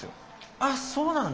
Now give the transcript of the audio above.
あっそうなんだ。